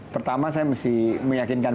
pertama saya mesti meyakinkan